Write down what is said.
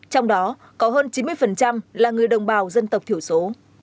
trong đó có hơn chín mươi là người đồng bào dân tộc thiểu số